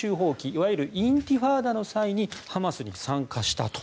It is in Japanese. いわゆるインティファーダの際にハマスに参加したと。